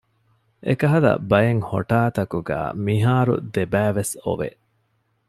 އެކަހަލަ ބައެއް ހޮޓާ ތަކުގައި މިހާރު ދެބައި ވެސް އޮވެ